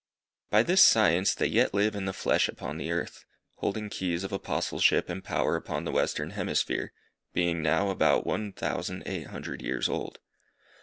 By this science they yet live in the flesh upon the earth, holding keys of Apostleship and power upon the western hemisphere, being now about one thousand eight hundred years old.